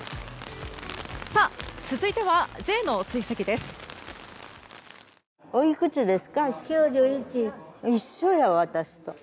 続いてはＪの追跡です。